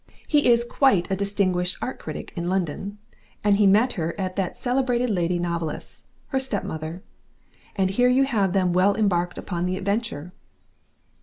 He is quite a distinguished art critic in London, and he met her at that celebrated lady novelist's, her stepmother, and here you have them well embarked upon the Adventure.